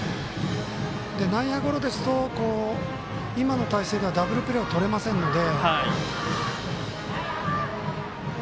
内野ゴロですと今の態勢ではダブルプレーをとれませんので。